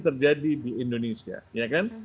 terjadi di indonesia ya kan